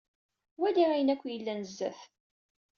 Wali ayen akk i yellan zdat!